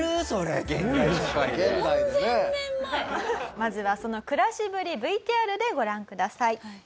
まずはその暮らしぶりＶＴＲでご覧ください。